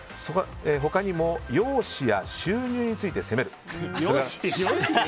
他にも容姿や収入について責める。